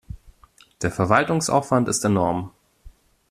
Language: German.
Der Verwaltungsaufwand ist enorm.